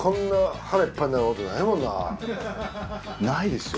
ないですよ。